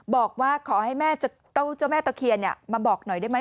บอกว่าขอให้แม่เจ้าแม่ตะเคียนมาบอกหน่อยได้ไหม